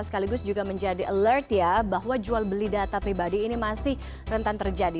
sekaligus juga menjadi alert ya bahwa jual beli data pribadi ini masih rentan terjadi